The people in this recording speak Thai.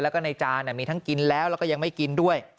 แล้วก็ในจานมีทั้งกินแล้วแล้วก็ยังไม่กินด้วย